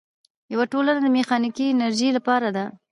یوه ټولنه د میخانیکي انجینرانو لپاره ده.